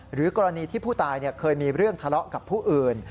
หรือกรณีที่ผู้ตายเคยมีเรื่องทะเลาะกับผู้อื่น